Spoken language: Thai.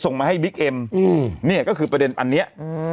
มาให้บิ๊กเอ็มอืมเนี่ยก็คือประเด็นอันเนี้ยอืม